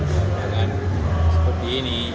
jangan seperti ini